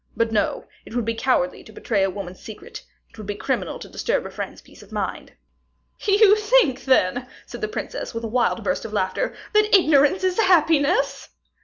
But no, it would be cowardly to betray a woman's secret; it would be criminal to disturb a friend's peace of mind." "You think, then," said the princess, with a wild burst of laughter, "that ignorance is happiness?"